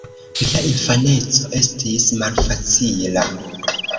Lia infaneco estis malfacila.